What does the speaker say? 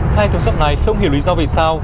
hai thùng xốp này không hiểu lý do vì sao